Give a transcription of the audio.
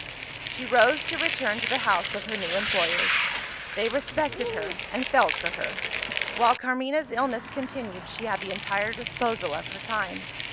She rose to return to the house of her new employers. They respected her, and felt for her: while Carmina's illness continued, she had the entire disposal of her time.